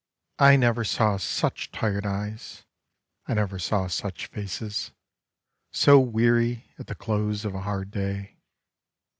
I never saw such tired eyes; I never saw such faces, So weary at the close of a hard day.